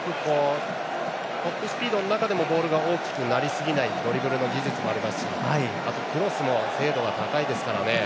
トップスピードの中でもボールが大きくなりすぎないドリブルの技術もありますしクロスも精度が高いので。